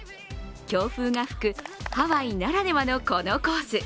強風が吹くハワイならではのこのコース。